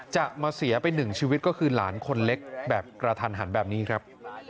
จะมาเสียไปหนึ่งชีวิตก็คือหลานคนเล็กแบบกระทันหันแบบนี้ครับ